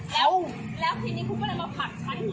แล้วยังไงแล้วทีนี้คุณกำลังมาผ่านฉัน